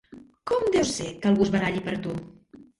Com deu ser que algú es baralli per tu?